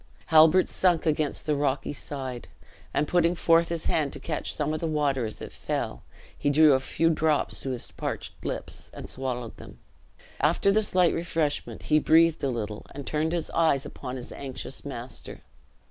Halbert sunk against the rocky side, and putting forth his hand to catch some of the water as it fell, drew a few drops to his parched lips, and swallowed them. After this light refreshment, he breathed a little and turned his eyes upon his anxious master.